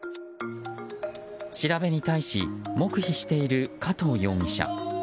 調べに対し黙秘している加藤容疑者。